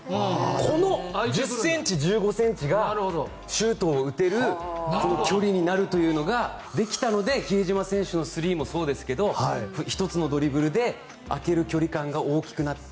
この１０ｃｍ、１５ｃｍがシュートを打てる距離になるというのができたので比江島選手のスリーもそうですけど１つのドリブルで空ける距離感が大きくなって